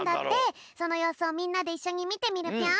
そのようすをみんなでいっしょにみてみるぴょん！